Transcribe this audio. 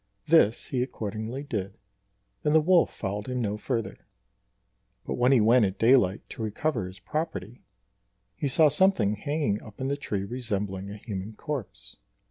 This he accordingly did, and the wolf followed him no further; but when he went at daylight to recover his property, he saw something hanging up in the tree resembling a human corpse.